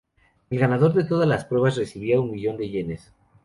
El ganador de todas las pruebas recibía un millón de yenes.